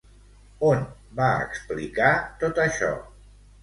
On va explicar tot això?